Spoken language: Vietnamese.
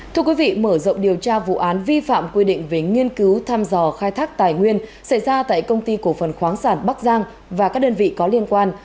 thưa quý vị mở rộng điều tra vụ án vi phạm quy định về nghiên cứu tham dò khai thác tài nguyên xảy ra tại công ty cổ phần khoáng sản bắc giang và các đơn vị có liên quan